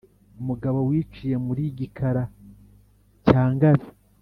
umugabo wiciye muli Gikara cya Ngabe